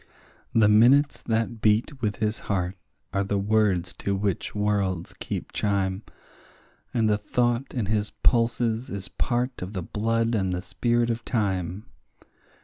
The minutes that beat with his heart are the words to which worlds keep chime, And the thought in his pulses is part of the blood and the spirit of time.